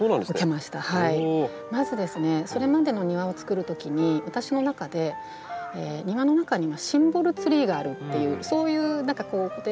まずそれまでの庭をつくるときに私の中で庭の中にはシンボルツリーがあるっていうそういう固定概念があったんですね。